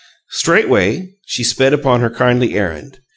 Straightway she sped upon her kindly errand.